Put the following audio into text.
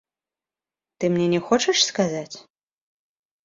Ты мне не хочаш сказаць?